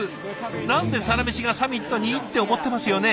何で「サラメシ」がサミットに？って思ってますよね。